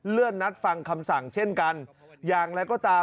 เลื่อนนัดฟังคำสั่งเช่นกันอย่างไรก็ตาม